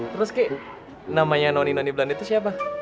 terus ki namanya noni noni belande tuh siapa